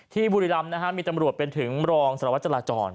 ที่บุรีรัมนะฮะมีตำรวจเป็นถึงรองสละวัดจราจร